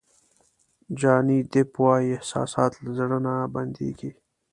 جاني دیپ وایي احساسات له زړه نه بندېږي.